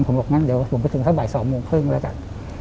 ผมบอกงั้นเดี๋ยวผมไปถึงสักบ่าย๒โมงครึ่งก็แล้วกัน